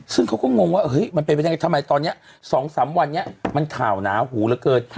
ซึ่งเขาก็งงว่าเฮ้ยมันเป็นไปได้ทำไมตอนนี้๒๓วันนี้มันข่าวหนาหูเหลือเกิน